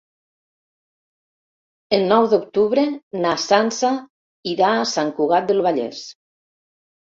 El nou d'octubre na Sança irà a Sant Cugat del Vallès.